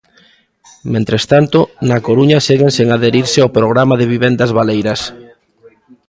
Mentres tanto, na Coruña seguen sen adherirse ao Programa de vivendas baleiras.